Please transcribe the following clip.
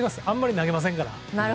あまり投げませんから。